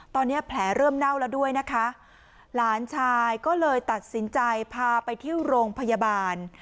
ตอนนี้แผลเริ่มเน่าแล้วด้วยนะคะหลานชายก็เลยตัดสินใจพาไปที่โรงพยาบาล